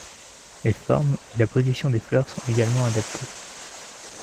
Les formes et la position des fleurs sont également adaptées.